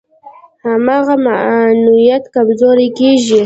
هماغومره معنویت کمزوری کېږي.